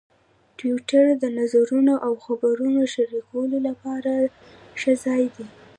ټویټر د نظرونو او خبرونو شریکولو لپاره ښه ځای دی.